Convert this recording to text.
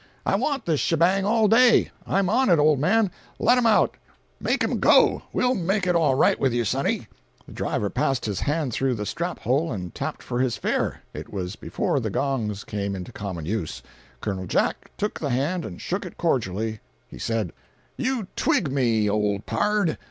I want this shebang all day. I'm on it, old man! Let 'em out! Make 'em go! We'll make it all right with you, sonny!" The driver passed his hand through the strap hole, and tapped for his fare—it was before the gongs came into common use. Col. Jack took the hand, and shook it cordially. He said: 326.jpg (51K) "You twig me, old pard!